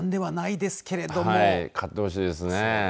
勝ってほしいですね。